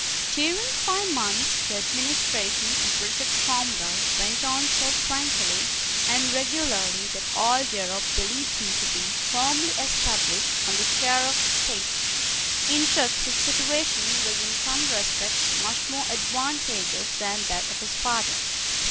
During five months, the administration of Richard Cromwell went on so tranquilly and regularly that all Europe believed him to be firmly established on the chair of state. In truth his situation was in some respects much more advantageous than that of his father.